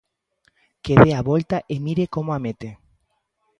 Que dea a volta e mire como a mete.